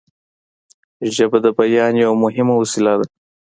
ژبه د بیان یوه مهمه وسیله ده